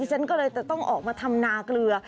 ฉันก็เลยจะต้องออกมาทำนาเกลือ